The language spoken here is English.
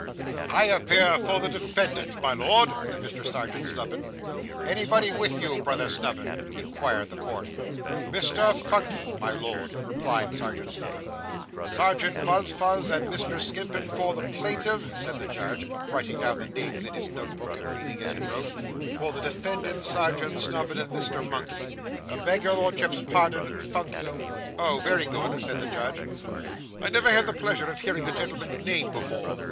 'I appear for the defendant, my Lord,' said Mr. Serjeant Snubbin. 'Anybody with you, Brother Snubbin?' inquired the court. 'Mr. Phunky, my Lord,' replied Serjeant Snubbin. 'Serjeant Buzfuz and Mr. Skimpin for the plaintiff,' said the judge, writing down the names in his note book, and reading as he wrote; 'for the defendant, Serjeant Snubbin and Mr. Monkey.' 'Beg your Lordship's pardon, Phunky.' 'Oh, very good,' said the judge; 'I never had the pleasure of hearing the gentleman's name before.